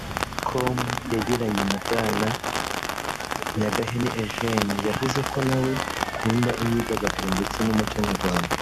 com yagiranye na Bwana Nyagahene Eugene yavuze ko nawe akunda imyidagaduro ndetse n’umuco nyarwanda